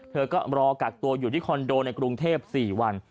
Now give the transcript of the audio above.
เธอก็รอกักตัวอยู่ที่คอนโดในกรุงเทพ๔วัน